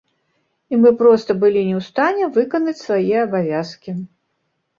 І мы проста былі не ў стане выканаць свае абавязкі.